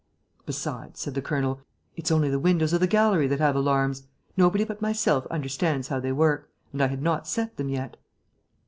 "Besides," said the colonel, "it's only the windows of the gallery that have alarms. Nobody but myself understands how they work; and I had not set them yet."